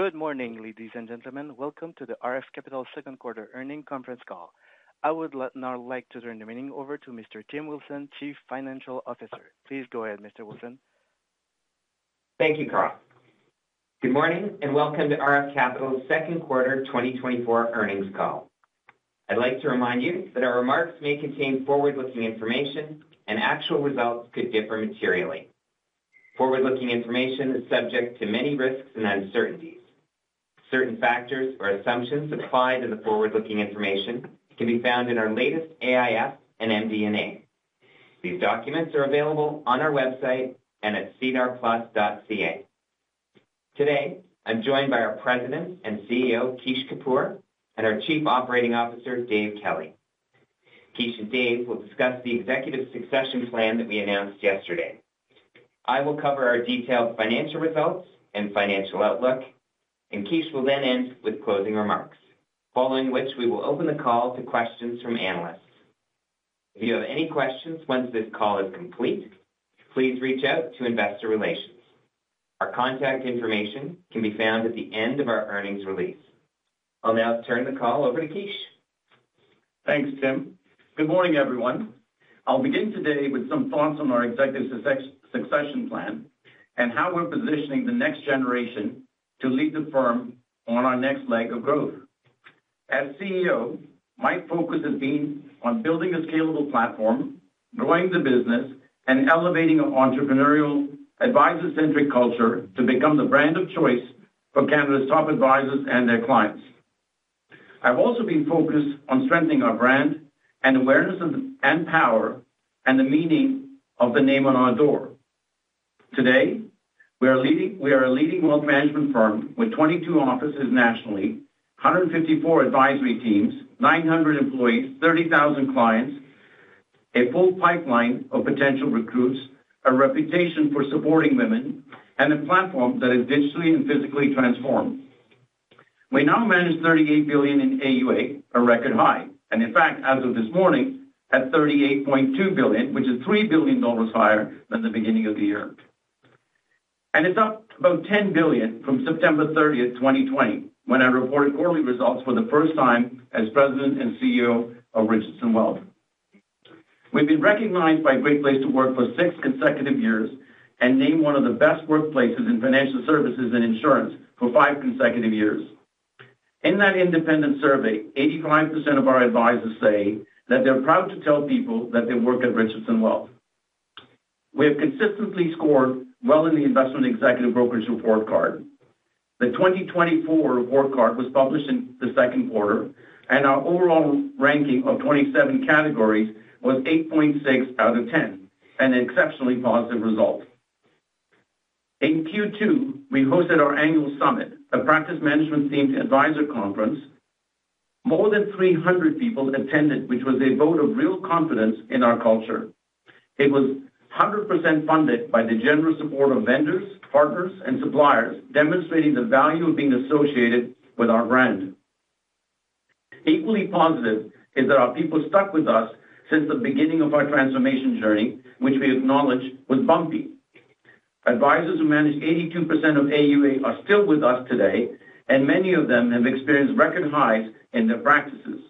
Good morning, ladies and gentlemen. Welcome to the RF Capital's second quarter earnings conference call. I would now like to turn the meeting over to Mr. Tim Wilson, Chief Financial Officer. Please go ahead, Mr. Wilson. Thank you, Carl. Good morning and welcome to RF Capital's second quarter 2024 earnings call. I'd like to remind you that our remarks may contain forward-looking information, and actual results could differ materially. Forward-looking information is subject to many risks and uncertainties. Certain factors or assumptions applied to the forward-looking information can be found in our latest AIF and MD&A. These documents are available on our website and at sedarplus.ca. Today, I'm joined by our President and CEO, Kish Kapoor, and our Chief Operating Officer, Dave Kelly. Kish and Dave will discuss the executive succession plan that we announced yesterday. I will cover our detailed financial results and financial outlook, and Kish will then end with closing remarks, following which we will open the call to questions from analysts. If you have any questions once this call is complete, please reach out to investor relations. Our contact information can be found at the end of our earnings release. I'll now turn the call over to Kish. Thanks, Tim. Good morning, everyone. I'll begin today with some thoughts on our executive succession plan and how we're positioning the next generation to lead the firm on our next leg of growth. As CEO, my focus has been on building a scalable platform, growing the business, and elevating an entrepreneurial, advisor-centric culture to become the brand of choice for Canada's top advisors and their clients. I've also been focused on strengthening our brand and awareness and power and the meaning of the name on our door. Today, we are a leading wealth management firm with 22 offices nationally, 154 advisory teams, 900 employees, 30,000 clients, a full pipeline of potential recruits, a reputation for supporting women, and a platform that is digitally and physically transformed. We now manage 38 billion in AUA, a record high, and in fact, as of this morning, at 38.2 billion, which is 3 billion dollars higher than the beginning of the year. It's up about 10 billion from September 30, 2020, when I reported quarterly results for the first time as President and CEO of Richardson Wealth. We've been recognized by Great Place to Work for six consecutive years and named one of the best workplaces in financial services and insurance for five consecutive years. In that independent survey, 85% of our advisors say that they're proud to tell people that they work at Richardson Wealth. We have consistently scored well in the Investment Executive Brokerage Report Card. The 2024 Report Card was published in the second quarter, and our overall ranking of 27 categories was 8.6 out of 10, an exceptionally positive result. In Q2, we hosted our annual summit, a practice management team to advisor conference. More than 300 people attended, which was a vote of real confidence in our culture. It was 100% funded by the generous support of vendors, partners, and suppliers, demonstrating the value of being associated with our brand. Equally positive is that our people stuck with us since the beginning of our transformation journey, which we acknowledge was bumpy. Advisors who managed 82% of AUA are still with us today, and many of them have experienced record highs in their practices.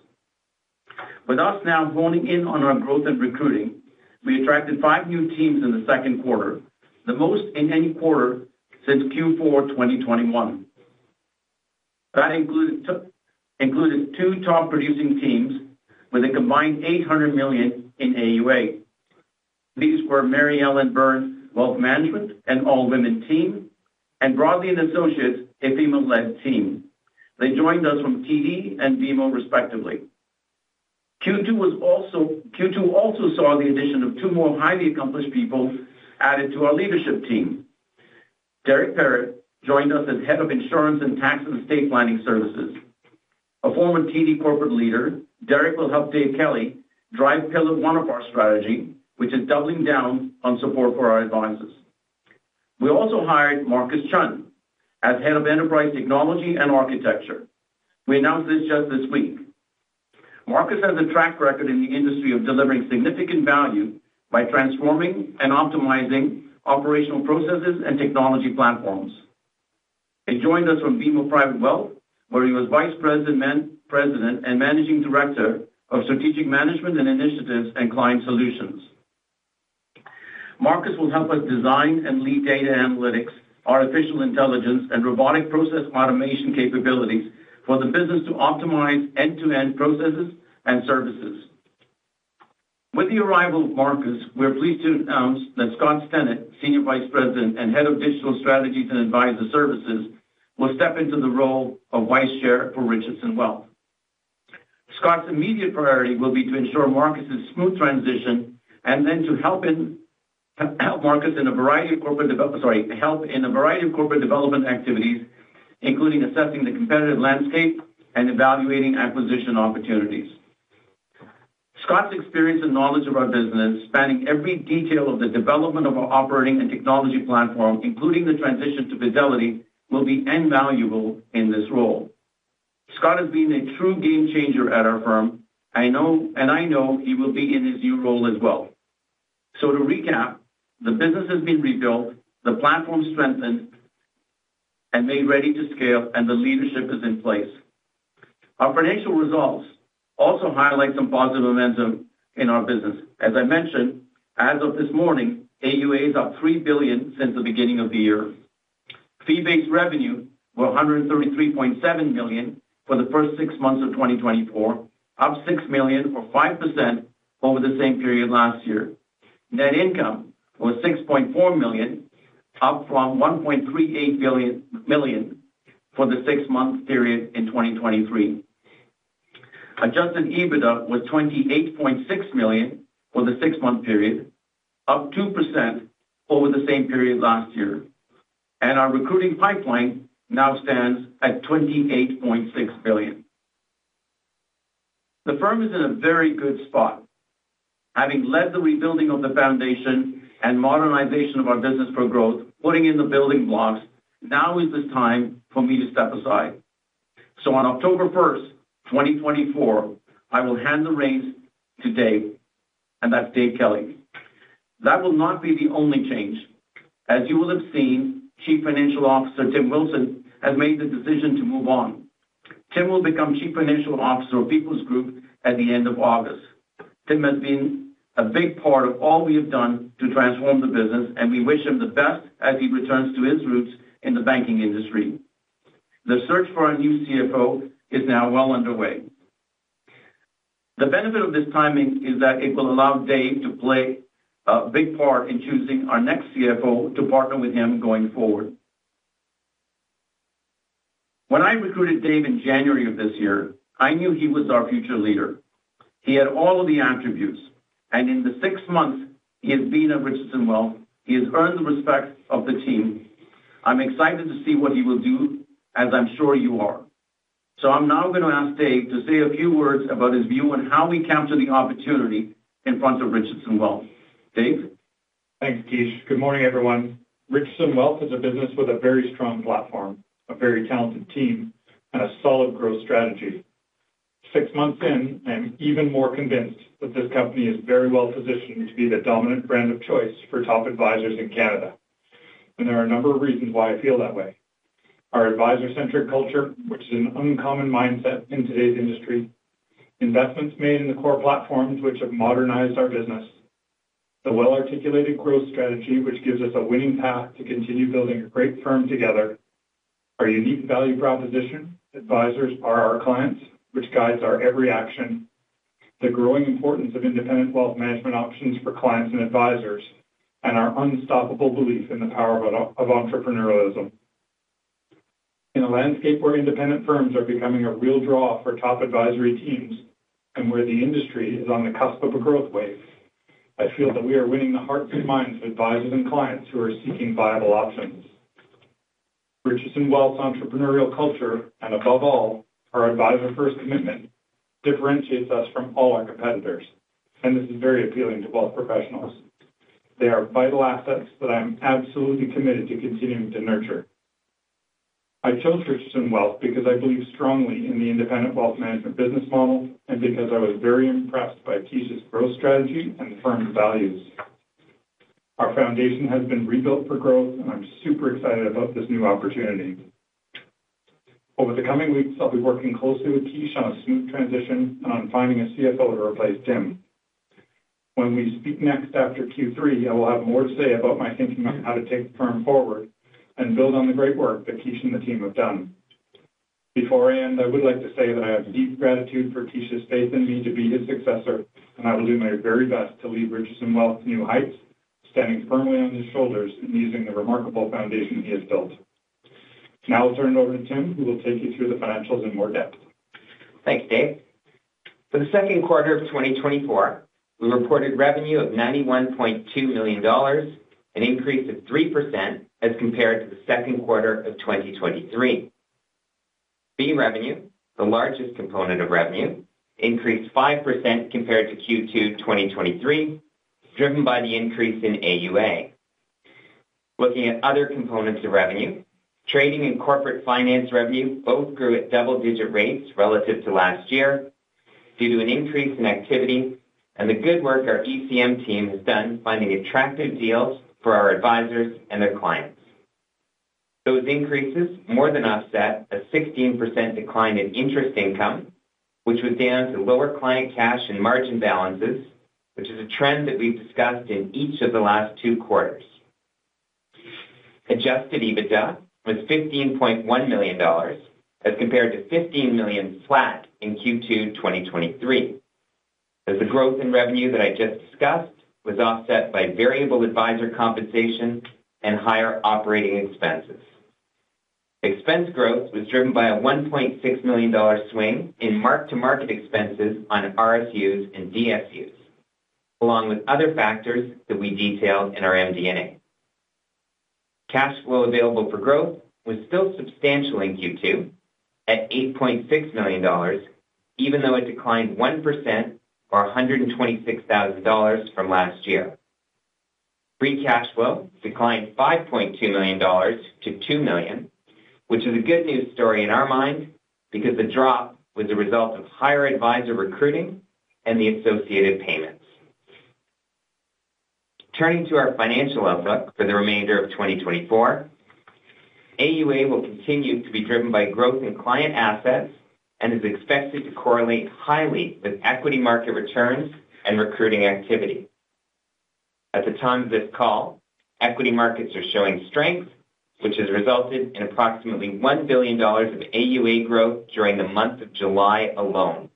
With us now honing in on our growth and recruiting, we attracted five new teams in the second quarter, the most in any quarter since Q4 2021. That included two top producing teams with a combined 800 million in AUA. These were Mary Ellen Byrne Wealth Management an all-women team, and Broadley and Associates, a female-led team. They joined us from TD and BMO, respectively. Q2 also saw the addition of two more highly accomplished people added to our leadership team. Derek Perrett joined us as Head of Insurance and Tax and Estate Planning Services. A former TD corporate leader, Derek will help Dave Kelly drive Pillar One of our strategy, which is doubling down on support for our advisors. We also hired Marcus Chun as Head of Enterprise Technology and Architecture. We announced this just this week. Marcus has a track record in the industry of delivering significant value by transforming and optimizing operational processes and technology platforms. He joined us from BMO Private Wealth, where he was Vice President and Managing Director of Strategic Management and Initiatives and Client Solutions. Marcus will help us design and lead data analytics, artificial intelligence, and robotic process automation capabilities for the business to optimize end-to-end processes and services. With the arrival of Marcus, we're pleased to announce that Scott Stennett, Senior Vice President and Head of Digital Strategies and Advisor Services, will step into the role of Vice Chair for Richardson Wealth. Scott's immediate priority will be to ensure Marcus's smooth transition and then to help Marcus in a variety of corporate development, sorry, help in a variety of corporate development activities, including assessing the competitive landscape and evaluating acquisition opportunities. Scott's experience and knowledge of our business, spanning every detail of the development of our operating and technology platform, including the transition to Fidelity, will be invaluable in this role. Scott has been a true game changer at our firm, and I know he will be in his new role as well. To recap, the business has been rebuilt, the platform strengthened, and made ready to scale, and the leadership is in place. Our financial results also highlight some positive momentum in our business. As I mentioned, as of this morning, AUA is up 3 billion since the beginning of the year. Fee-based revenue was 133.7 million for the first six months of 2024, up 6 million, or 5% over the same period last year. Net income was 6.4 million, up from 1.38 billion for the six-month period in 2023. Adjusted EBITDA was 28.6 million for the six-month period, up 2% over the same period last year. Our recruiting pipeline now stands at 28.6 billion. The firm is in a very good spot. Having led the rebuilding of the foundation and modernization of our business for growth, putting in the building blocks, now is the time for me to step aside. So on October 1, 2024, I will hand the reins to Dave, and that's Dave Kelly. That will not be the only change. As you will have seen, Chief Financial Officer Tim Wilson has made the decision to move on. Tim will become Chief Financial Officer of Peoples Group at the end of August. Tim has been a big part of all we have done to transform the business, and we wish him the best as he returns to his roots in the banking industry. The search for our new CFO is now well underway. The benefit of this timing is that it will allow Dave to play a big part in choosing our next CFO to partner with him going forward. When I recruited Dave in January of this year, I knew he was our future leader. He had all of the attributes, and in the six months he has been at Richardson Wealth, he has earned the respect of the team. I'm excited to see what he will do, as I'm sure you are. So I'm now going to ask Dave to say a few words about his view on how we capture the opportunity in front of Richardson Wealth. Dave? Thanks, Kish. Good morning, everyone. Richardson Wealth is a business with a very strong platform, a very talented team, and a solid growth strategy. Six months in, I'm even more convinced that this company is very well positioned to be the dominant brand of choice for top advisors in Canada. There are a number of reasons why I feel that way. Our advisor-centric culture, which is an uncommon mindset in today's industry, investments made in the core platforms which have modernized our business, the well-articulated growth strategy which gives us a winning path to continue building a great firm together, our unique value proposition, advisors are our clients, which guides our every action, the growing importance of independent wealth management options for clients and advisors, and our unstoppable belief in the power of entrepreneurialism. In a landscape where independent firms are becoming a real draw for top advisory teams and where the industry is on the cusp of a growth wave, I feel that we are winning the hearts and minds of advisors and clients who are seeking viable options. Richardson Wealth's entrepreneurial culture and, above all, our advisor-first commitment differentiates us from all our competitors, and this is very appealing to wealth professionals. They are vital assets that I am absolutely committed to continuing to nurture. I chose Richardson Wealth because I believe strongly in the independent wealth management business model and because I was very impressed by Kish's growth strategy and the firm's values. Our foundation has been rebuilt for growth, and I'm super excited about this new opportunity. Over the coming weeks, I'll be working closely with Kish on a smooth transition and on finding a CFO to replace Tim. When we speak next after Q3, I will have more to say about my thinking on how to take the firm forward and build on the great work that Kish and the team have done. Before I end, I would like to say that I have deep gratitude for Kish's faith in me to be his successor, and I will do my very best to lead Richardson Wealth to new heights, standing firmly on his shoulders and using the remarkable foundation he has built. Now I'll turn it over to Tim, who will take you through the financials in more depth. Thanks, Dave. For the second quarter of 2024, we reported revenue of 91.2 million dollars, an increase of 3% as compared to the second quarter of 2023. Fee revenue, the largest component of revenue, increased 5% compared to Q2 2023, driven by the increase in AUA. Looking at other components of revenue, trading and corporate finance revenue both grew at double-digit rates relative to last year due to an increase in activity and the good work our ECM team has done finding attractive deals for our advisors and their clients. Those increases more than offset a 16% decline in interest income, which was down to lower client cash and margin balances, which is a trend that we've discussed in each of the last two quarters. Adjusted EBITDA was 15.1 million dollars as compared to 15 million flat in Q2 2023, as the growth in revenue that I just discussed was offset by variable advisor compensation and higher operating expenses. Expense growth was driven by a 1.6 million dollar swing in mark-to-market expenses on RSUs and DSUs, along with other factors that we detailed in our MD&A. Cash flow available for growth was still substantial in Q2 at 8.6 million dollars, even though it declined 1% or 126,000 dollars from last year. Free cash flow declined 5.2 million dollars to 2 million, which is a good news story in our mind because the drop was the result of higher advisor recruiting and the associated payments. Turning to our financial outlook for the remainder of 2024, AUA will continue to be driven by growth in client assets and is expected to correlate highly with equity market returns and recruiting activity. At the time of this call, equity markets are showing strength, which has resulted in approximately $1 billion of AUA growth during the month of July alone.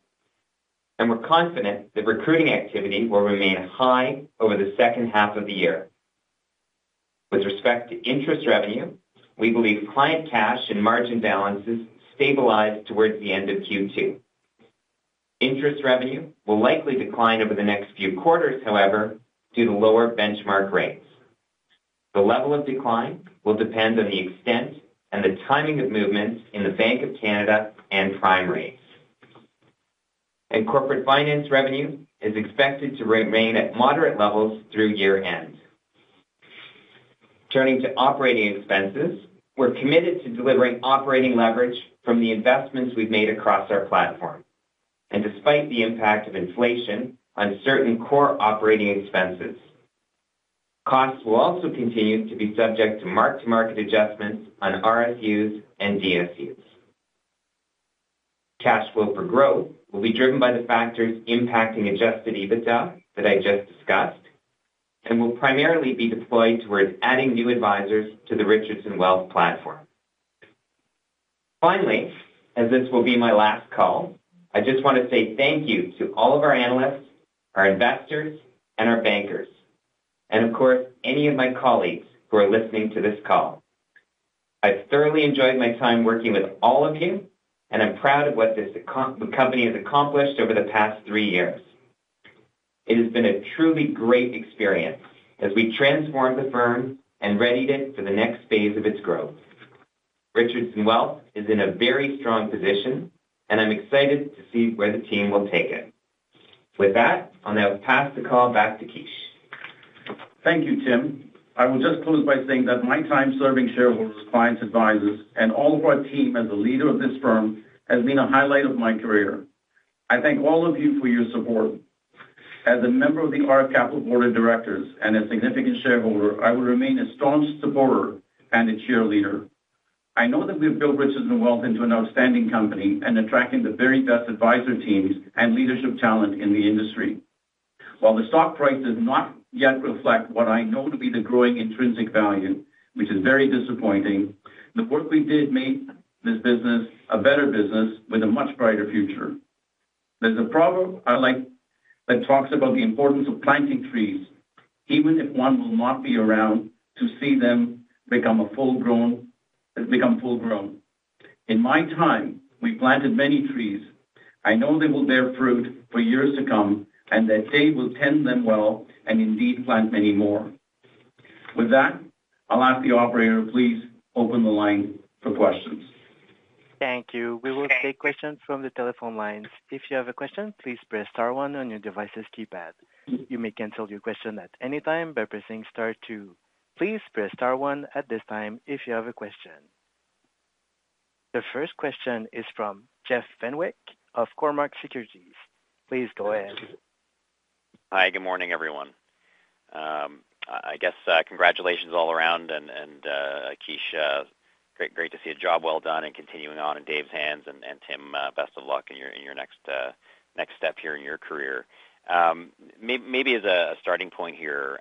We're confident that recruiting activity will remain high over the second half of the year. With respect to interest revenue, we believe client cash and margin balances stabilized towards the end of Q2. Interest revenue will likely decline over the next few quarters, however, due to lower benchmark rates. The level of decline will depend on the extent and the timing of movements in the Bank of Canada and Prime rates. Corporate finance revenue is expected to remain at moderate levels through year-end. Turning to operating expenses, we're committed to delivering operating leverage from the investments we've made across our platform, and despite the impact of inflation on certain core operating expenses, costs will also continue to be subject to mark-to-market adjustments on RSUs and DSUs. Cash flow for growth will be driven by the factors impacting adjusted EBITDA that I just discussed and will primarily be deployed towards adding new advisors to the Richardson Wealth platform. Finally, as this will be my last call, I just want to say thank you to all of our analysts, our investors, and our bankers, and of course, any of my colleagues who are listening to this call. I've thoroughly enjoyed my time working with all of you, and I'm proud of what this company has accomplished over the past three years. It has been a truly great experience as we transformed the firm and readied it for the next phase of its growth. Richardson Wealth is in a very strong position, and I'm excited to see where the team will take it. With that, I'll now pass the call back to Kish. Thank you, Tim. I will just close by saying that my time serving shareholders, clients, advisors, and all of our team as the leader of this firm has been a highlight of my career. I thank all of you for your support. As a member of the RF Capital Board of Directors and a significant shareholder, I will remain a staunch supporter and a cheerleader. I know that we have built Richardson Wealth into an outstanding company and attracting the very best advisor teams and leadership talent in the industry. While the stock price does not yet reflect what I know to be the growing intrinsic value, which is very disappointing, the work we did made this business a better business with a much brighter future. There's a proverb I like that talks about the importance of planting trees, even if one will not be around to see them become full grown. In my time, we planted many trees. I know they will bear fruit for years to come and that they will tend them well and indeed plant many more. With that, I'll ask the operator to please open the line for questions. Thank you. We will take questions from the telephone lines. If you have a question, please press star one on your device's keypad. You may cancel your question at any time by pressing star two. Please press star one at this time if you have a question. The first question is from Jeff Fenwick of Cormark Securities. Please go ahead. Hi, good morning, everyone. I guess congratulations all around, and Kish, great to see a job well done and continuing on in Dave's hands. Tim, best of luck in your next step here in your career. Maybe as a starting point here,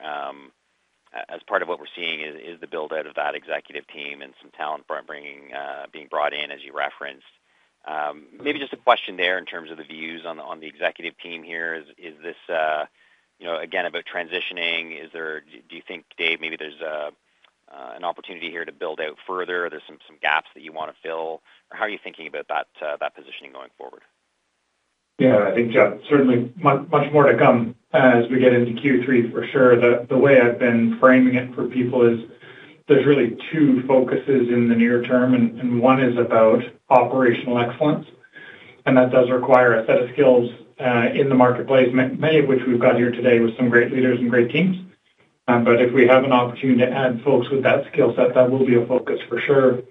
as part of what we're seeing is the build-out of that executive team and some talent being brought in, as you referenced. Maybe just a question there in terms of the views on the executive team here. Is this, again, about transitioning? Do you think, Dave, maybe there's an opportunity here to build out further? Are there some gaps that you want to fill? How are you thinking about that positioning going forward? Yeah, I think certainly much more to come as we get into Q3, for sure. The way I've been framing it for people is there's really two focuses in the near term, and one is about operational excellence. And that does require a set of skills in the marketplace, many of which we've got here today with some great leaders and great teams. But if we have an opportunity to add folks with that skill set, that will be a focus for sure.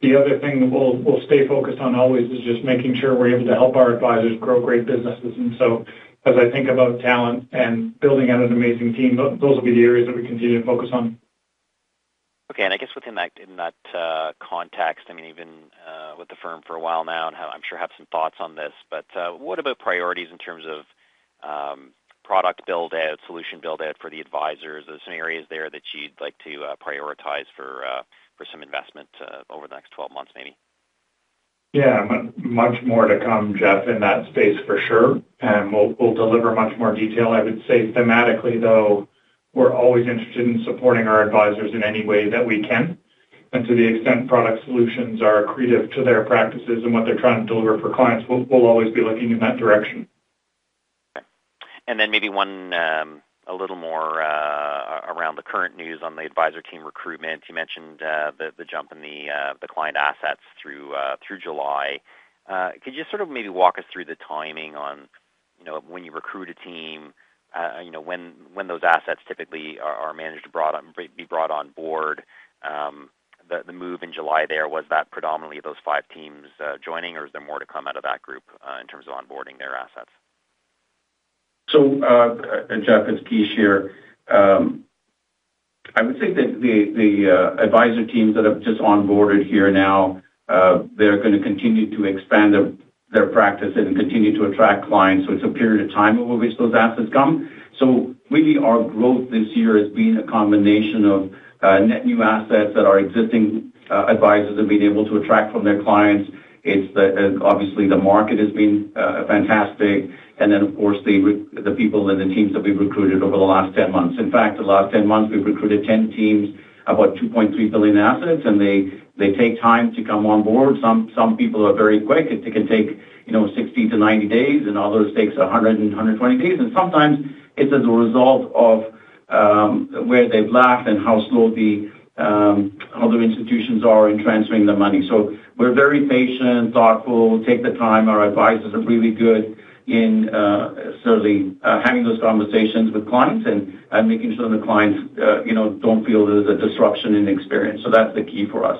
The other thing we'll stay focused on always is just making sure we're able to help our advisors grow great businesses. And so as I think about talent and building out an amazing team, those will be the areas that we continue to focus on. Okay. And I guess within that context, I mean, even with the firm for a while now, and I'm sure have some thoughts on this, but what about priorities in terms of product build-out, solution build-out for the advisors? Are there some areas there that you'd like to prioritize for some investment over the next 12 months, maybe? Yeah, much more to come, Jeff, in that space, for sure. We'll deliver much more detail. I would say thematically, though, we're always interested in supporting our advisors in any way that we can. To the extent product solutions are accretive to their practices and what they're trying to deliver for clients, we'll always be looking in that direction. And then maybe one a little more around the current news on the advisor team recruitment. You mentioned the jump in the client assets through July. Could you sort of maybe walk us through the timing on when you recruit a team, when those assets typically are managed to be brought on board? The move in July there, was that predominantly those five teams joining, or is there more to come out of that group in terms of onboarding their assets? So, Jeff, it's Kish here. I would say that the advisor teams that have just onboarded here now, they're going to continue to expand their practice and continue to attract clients. So it's a period of time over which those assets come. So really, our growth this year has been a combination of net new assets that our existing advisors have been able to attract from their clients. It's obviously the market has been fantastic. And then, of course, the people and the teams that we've recruited over the last 10 months. In fact, the last 10 months, we've recruited 10 teams, about 2.3 billion assets, and they take time to come on board. Some people are very quick. It can take 60-90 days, and others take 100-120 days. Sometimes it's as a result of where they've left and how slow the other institutions are in transferring the money. So we're very patient, thoughtful, take the time. Our advisors are really good in certainly having those conversations with clients and making sure the clients don't feel there's a disruption in the experience. So that's the key for us.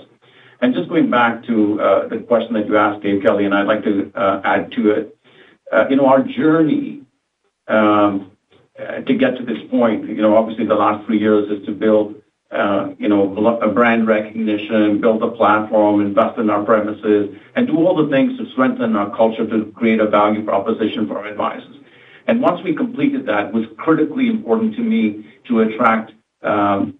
Just going back to the question that you asked, Dave Kelly, and I'd like to add to it. Our journey to get to this point, obviously the last three years is to build a brand recognition, build a platform, invest in our premises, and do all the things to strengthen our culture, to create a value proposition for our advisors. Once we completed that, it was critically important to me to attract the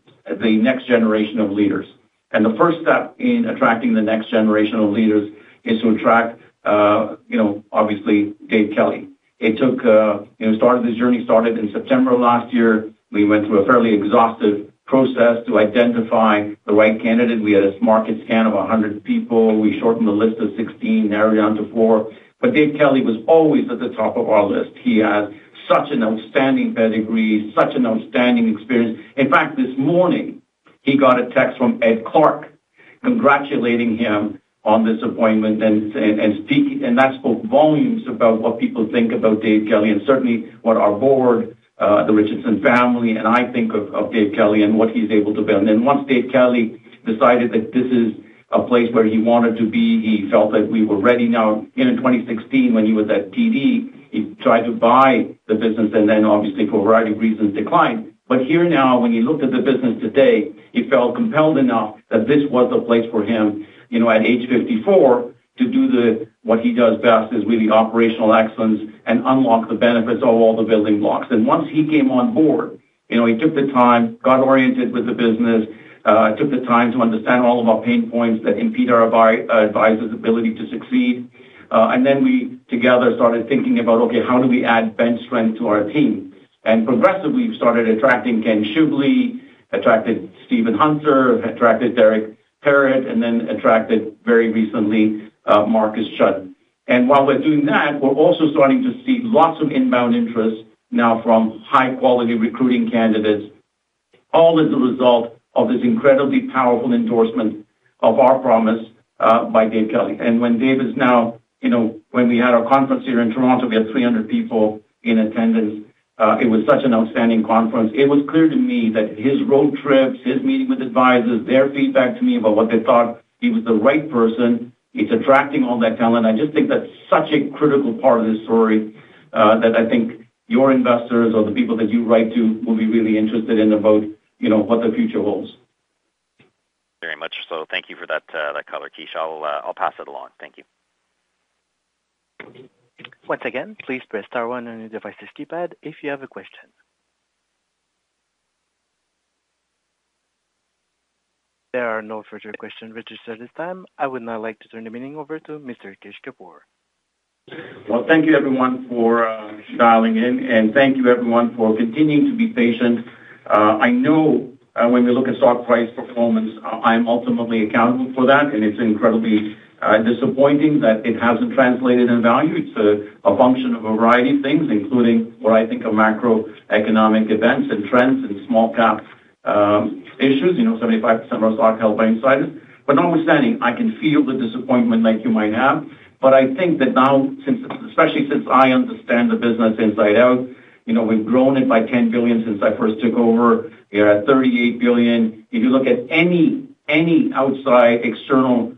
next generation of leaders. The first step in attracting the next generation of leaders is to attract, obviously, Dave Kelly. It started. This journey started in September of last year. We went through a fairly exhaustive process to identify the right candidate. We had a market scan of 100 people. We shortened the list of 16, narrowed it down to four. Dave Kelly was always at the top of our list. He has such an outstanding pedigree, such an outstanding experience. In fact, this morning, he got a text from Ed Clark congratulating him on this appointment. That spoke volumes about what people think about Dave Kelly and certainly what our board, the Richardson family, and I think of Dave Kelly and what he's able to build. Once Dave Kelly decided that this is a place where he wanted to be, he felt that we were ready. Now, in 2016, when he was at TD, he tried to buy the business and then, obviously, for a variety of reasons, declined. But here now, when he looked at the business today, he felt compelled enough that this was the place for him at age 54 to do what he does best, is really operational excellence and unlock the benefits of all the building blocks. And once he came on board, he took the time, got oriented with the business, took the time to understand all of our pain points that impede our advisors' ability to succeed. And then we together started thinking about, okay, how do we add bench strength to our team? And progressively, we started attracting Ken Shugley, attracted Stephen Hunter, attracted Derek Perrett, and then attracted very recently Marcus Chun. And while we're doing that, we're also starting to see lots of inbound interest now from high-quality recruiting candidates, all as a result of this incredibly powerful endorsement of our promise by Dave Kelly. And when Dave is now, when we had our conference here in Toronto, we had 300 people in attendance. It was such an outstanding conference. It was clear to me that his road trips, his meeting with advisors, their feedback to me about what they thought he was the right person, it's attracting all that talent. I just think that's such a critical part of this story that I think your investors or the people that you write to will be really interested in about what the future holds. Very much so. Thank you for that color, Kish. I'll pass it along. Thank you. Once again, please press star one on your device's keypad if you have a question. There are no further questions registered at this time. I would now like to turn the meeting over to Mr. Kish Kapoor. Well, thank you, everyone, for dialing in. Thank you, everyone, for continuing to be patient. I know when we look at stock price performance, I'm ultimately accountable for that. It's incredibly disappointing that it hasn't translated in value. It's a function of a variety of things, including what I think are macroeconomic events and trends and small-cap issues, 75% of our stock held by insiders. But notwithstanding, I can feel the disappointment like you might have. But I think that now, especially since I understand the business inside out, we've grown it by 10 billion since I first took over. We are at 38 billion. If you look at any outside external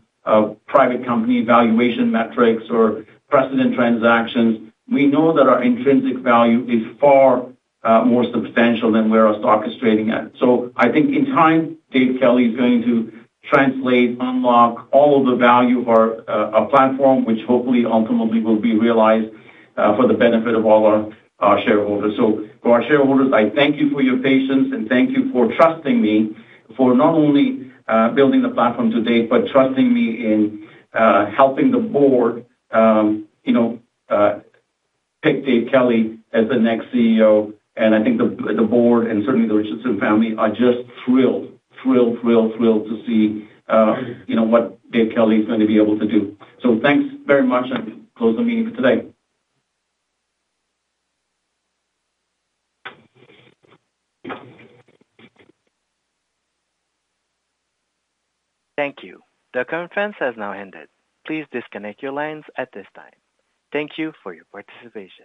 private company valuation metrics or precedent transactions, we know that our intrinsic value is far more substantial than where our stock is trading at. So I think in time, Dave Kelly is going to translate, unlock all of the value of our platform, which hopefully ultimately will be realized for the benefit of all our shareholders. So for our shareholders, I thank you for your patience and thank you for trusting me for not only building the platform today, but trusting me in helping the board pick Dave Kelly as the next CEO. And I think the board and certainly the Richardson family are just thrilled, thrilled, thrilled, thrilled to see what Dave Kelly is going to be able to do. So thanks very much. I'm going to close the meeting for today. Thank you. The conference has now ended. Please disconnect your lines at this time. Thank you for your participation.